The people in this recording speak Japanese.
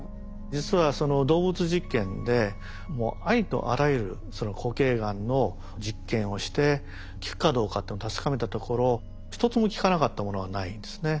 実は動物実験でもうありとあらゆる固形がんの実験をして効くかどうかっていうのを確かめたところ一つも効かなかったものはないんですね。